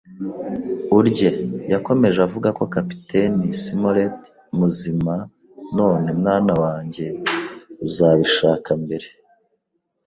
urye. ”Yakomeje avuga ko Kapiteni Smollett. “Muzima, none, mwana wanjye; uzabishaka mbere